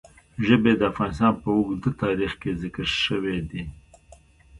ژبې د افغانستان په اوږده تاریخ کې ذکر شوی دی.